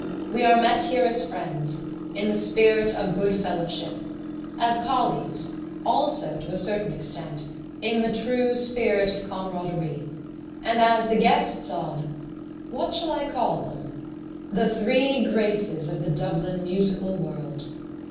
We are met here as friends, in the spirit of good fellowship, as colleagues, also to a certain extent, in the true spirit of camaraderie, and as the guests of—what shall I call them?—the Three Graces of the Dublin musical world."